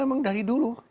ini emang dari dulu